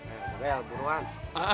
ya ya buruan